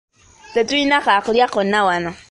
Tetulina kaakulya konna wano.